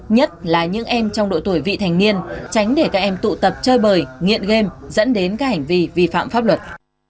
nhất là những em trong độ tuổi vị thành niên tránh để các em tụ tập chơi bời nghiện game dẫn đến các hành vi vi phạm pháp luật